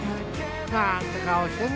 「なんて顔してんだ」